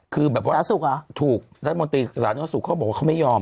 คือแบบว่าถูกรัฐมนตรีศาสนศุกร์เขาบอกว่าเขาไม่ยอม